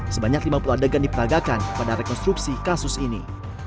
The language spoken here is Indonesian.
sebanyak lima puluh adegan diperagakan pada rekonstruksi kasus ini